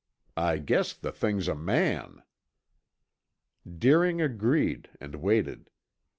I guess the thing's a man." Deering agreed and waited.